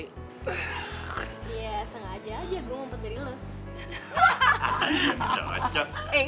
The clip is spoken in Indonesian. iya sengaja aja gue ngumpet dari lo